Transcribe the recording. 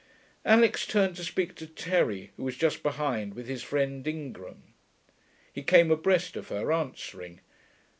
Alix turned to speak to Terry, who was just behind with his friend Ingram. He came abreast of her, answering.